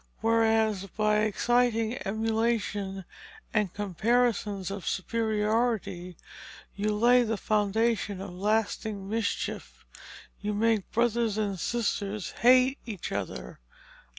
Whereas, by exciting emulation and comparisons of superiority, you lay the foundation of lasting mischief; you make brothers and sisters hate each other."